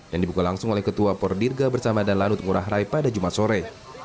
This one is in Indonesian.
dan dibuka langsung oleh ketua pordirga bersama danlanut ngurah rai pada jumat sore